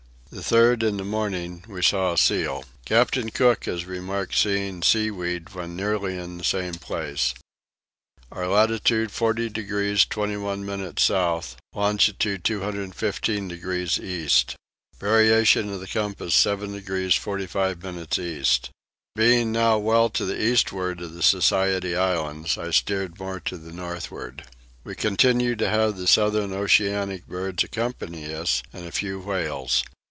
The 3rd in the morning we saw a seal. Captain Cook has remarked seeing seaweed when nearly in the same place. Our latitude 40 degrees 21 minutes south, longitude 215 degrees east. Variation of the compass 7 degrees 45 minutes east. Being now well to the eastward of the Society Islands I steered more to the northward. We continued to have the southern oceanic birds accompany us and a few whales.